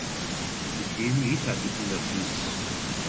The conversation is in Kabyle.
Deg yinig i tɛedda tudert-is.